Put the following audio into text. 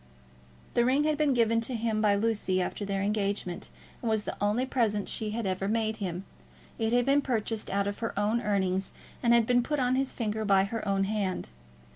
The ring had been given to him by Lucy after their engagement, and was the only present she had ever made him. It had been purchased out of her own earnings, and had been put on his finger by her own hand.